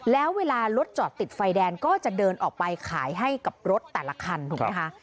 แล้วเวลารถจอดติดไฟแดงก็จะเดินออกไปขายให้กับรถแต่ละคันถูกไหมคะ